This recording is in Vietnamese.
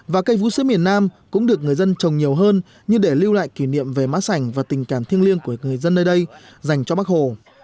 và cây vũ sứ miền nam cũng được người dân trồng nhiều hơn như để lưu lại kỷ niệm về mã sảnh và tình cảm thiêng liêng của người dân nơi đây dành cho bác hồ